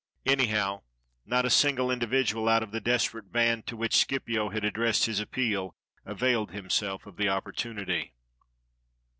Anyhow, not a single individual out of the desperate band to which Scipio had addressed his appeal availed himself of the opportunity.